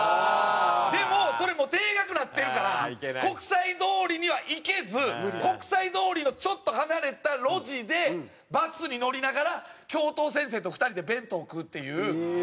でもそれも停学になってるから国際通りには行けず国際通りのちょっと離れた路地でバスに乗りながら教頭先生と２人で弁当食うっていう。